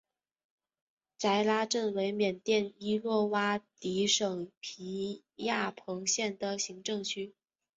斋拉镇为缅甸伊洛瓦底省皮亚朋县的行政区。